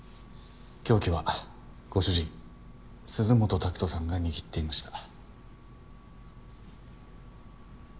凶器はご主人鈴本拓人さんが握っていました。